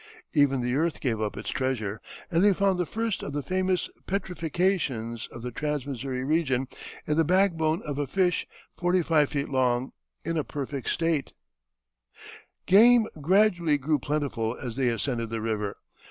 Even the earth gave up its treasure, and they found the first of the famous petrifactions of the trans Missouri region in the back bone of a fish forty five feet long, in a perfect state. [Illustration: A Blackfoot Tepee.] Game gradually grew plentiful as they ascended the river.